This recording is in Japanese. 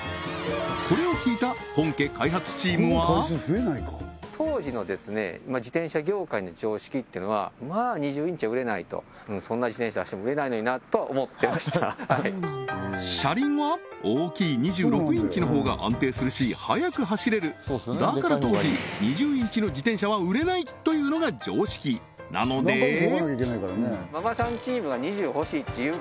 これを聞いた本家開発チームは車輪は大きい２６インチのほうが安定するし速く走れるだから当時２０インチの自転車は売れない！というのが常識なのでそ